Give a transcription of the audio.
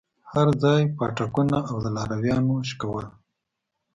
هرځاى پاټکونه او د لارويانو شکول.